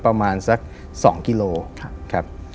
ประมาณสัก๒กิโลครับ